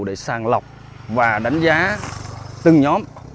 để sàng lọc và đánh giá từng nhóm